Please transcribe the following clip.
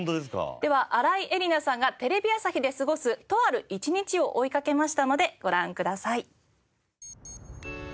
では新井恵理那さんがテレビ朝日で過ごすとある一日を追いかけましたのでご覧ください。